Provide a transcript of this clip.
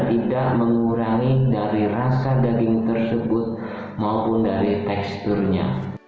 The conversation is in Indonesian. tidak mengurangi dari rasa daging tersebut maupun dari teksturnya